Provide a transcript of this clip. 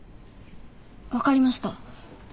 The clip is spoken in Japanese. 分かりました。